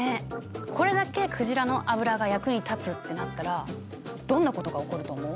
これだけ鯨の油が役に立つってなったらどんなことが起こると思う？